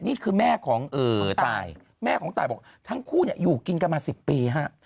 นี่คือแม่ของตายแม่ของตายบอกทั้งคู่อยู่กินกันมา๑๐ปีฮะ